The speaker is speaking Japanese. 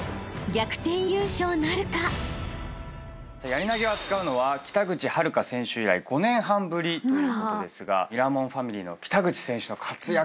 やり投を扱うのは北口榛花選手以来５年半ぶりということですがミラモンファミリーの北口選手の活躍